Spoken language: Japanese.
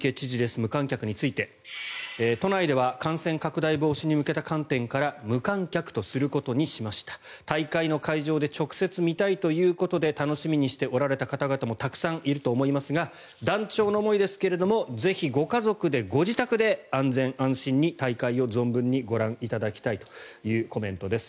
無観客について都内では感染拡大防止に向けた観点から無観客とすることにしました大会の会場で直接見たいということで楽しみにしておられた方もたくさんいると思いますが断腸の思いですけれどもぜひご家族で、ご自宅で安全安心に大会を存分にご覧いただきたいというコメントです。